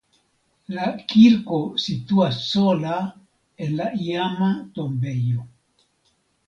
La kirko situas sola en la iama tombejo.